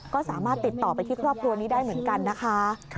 ก็สามารถติดต่อไปที่ครอบครัวนี้ได้เหมือนกันนะคะ